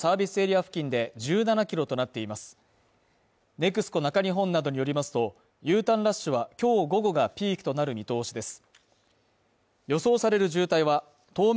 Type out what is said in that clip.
ＮＥＸＣＯ中日本などによりますと、Ｕターンラッシュは今日午後がピークとなる見通しです。